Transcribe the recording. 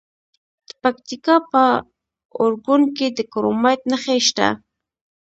د پکتیکا په اورګون کې د کرومایټ نښې شته.